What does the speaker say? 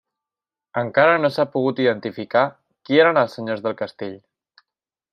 Encara no s'ha pogut identificar qui eren els senyors del castell.